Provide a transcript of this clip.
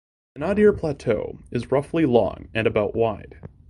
The Anadyr Plateau is roughly long and about wide.